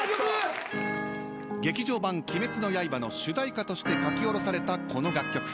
劇場版『鬼滅の刃』の主題歌として書き下ろされたこの楽曲。